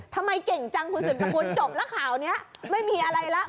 ทำไมเก่งจังคุณสืบสกุลจบแล้วข่าวนี้ไม่มีอะไรแล้ว